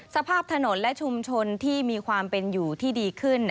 สภาพถนนและชุมชนที่มีความเป็นอยู่ที่ดีขึ้น